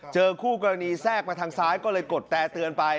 คู่กรณีแทรกมาทางซ้ายก็เลยกดแต่เตือนไป